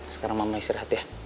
sekarang mama istirahat ya